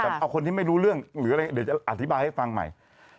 แต่เอาคนที่ไม่รู้เรื่องหรืออะไรเดี๋ยวจะอธิบายให้ฟังใหม่